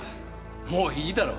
もういいだろ？